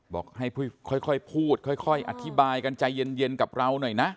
บอกให้ค่อยพูดค่อยอธิบายกันใจเย็นกับเราหน่อยนะ